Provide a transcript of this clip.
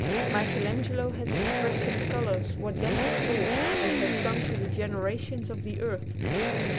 Michael Angelo has expressed in colors what Dante saw and has sung to the generations of the earth.